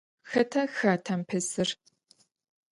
Xэтa хатэм пэсыр?